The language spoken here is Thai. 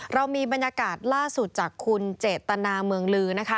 เรามีบรรยากาศล่าสุดจากคุณเจตนาเมืองลือนะคะ